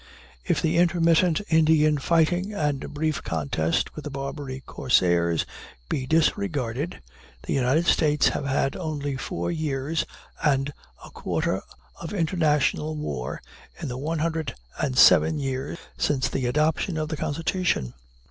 If the intermittent Indian fighting and the brief contest with the Barbary corsairs be disregarded, the United States have had only four years and a quarter of international war in the one hundred and seven years since the adoption of the Constitution.